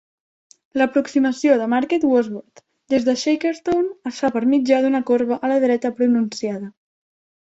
L'aproximació a Market Bosworth, des de Shackerstone, es fa per mitjà d'una corba a la dreta pronunciada.